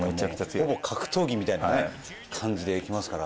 ほぼ格闘技みたいな感じでいきますから。